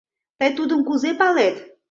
— Тый тудым кузе палет?